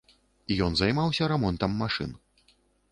Ён займаўся рамонтам машын.